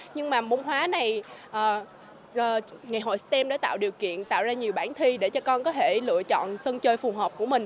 nhưng mà môn hóa này ngày hội stem đã tạo điều kiện tạo ra nhiều bảng thi để cho con có thể lựa chọn sân chơi phù hợp của mình